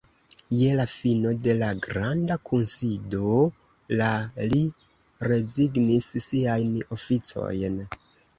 Je la fino de la Granda Kunsido la li rezignis siajn oficojn.